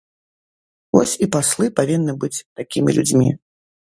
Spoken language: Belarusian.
Вось і паслы павінны быць такімі людзьмі.